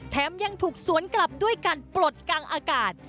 ยังถูกสวนกลับด้วยการปลดกลางอากาศ